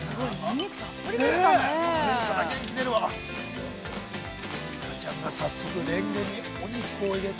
海荷ちゃんが早速レンゲにお肉を入れて。